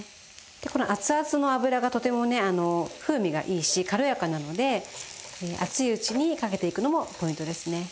でこの熱々の油がとてもね風味がいいし軽やかなので熱いうちにかけていくのもポイントですね。